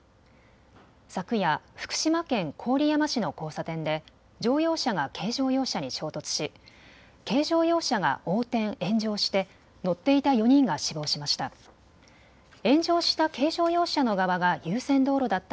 昨夜、福島県郡山市の交差点で乗用車が軽乗用車に衝突し軽乗用車が横転、炎上して乗っていた４人が死亡しました。